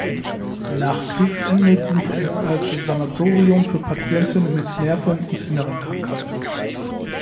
Nach Kriegsende diente es als Sanatorium für Patienten mit Nerven- und inneren Krankheiten.